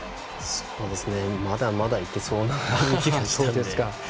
まだまだいけそうな動きでしたね。